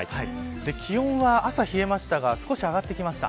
気温は、朝冷えましたが少し上がってきました。